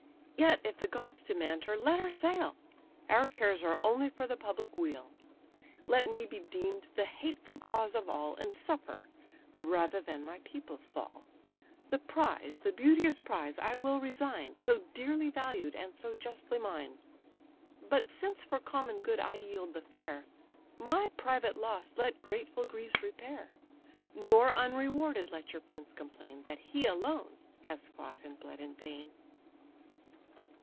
Yet, if the gods demand her, let her sail; Our cares are only for the public weal: Let me be deem'd the hateful cause of all, And suffer, rather than my people fall. The prize, the beauteous prize, I will resign, So dearly valued, and so justly mine. But since for common good I yield the fair, My private loss let grateful Greece repair; Nor unrewarded let your prince complain, That he alone has fought and bled in vain."